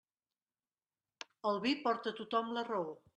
El vi porta a tothom la raó.